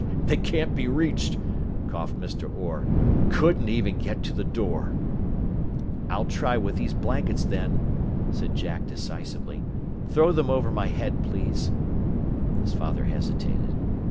"They can't be reached," coughed Mr. Orr. "Couldn't even get to the door." "I'll try with these blankets, then," said Jack decisively. "Throw them over my head, please." His father hesitated.